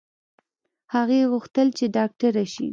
هغې غوښتل چې ډاکټره شي